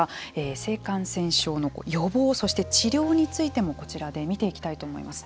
性感染症の予防そして治療についてもこちらで見ていきたいと思います。